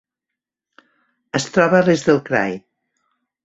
Es troba a l'est del krai.